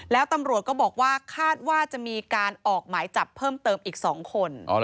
แล้วตำรวจก็บอกว่าคาดว่าจะมีการออกหมายจับเพิ่มเติมอีก๒คน